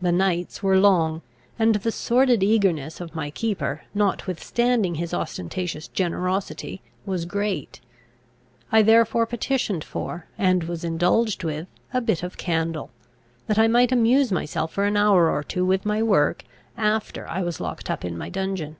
The nights were long, and the sordid eagerness of my keeper, notwithstanding his ostentatious generosity, was great; I therefore petitioned for, and was indulged with, a bit of candle, that I might amuse myself for an hour or two with my work after I was locked up in my dungeon.